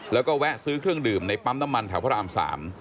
แล้วก็แวะซื้อเครื่องดื่มในปั๊มน้ำมันแถวพระราม๓